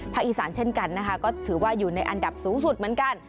อีสานเช่นกันนะคะก็ถือว่าอยู่ในอันดับสูงสุดเหมือนกัน